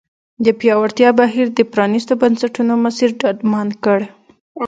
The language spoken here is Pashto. د پیاوړتیا بهیر د پرانیستو بنسټونو مسیر ډاډمن کړ.